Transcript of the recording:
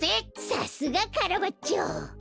さすがカラバッチョ。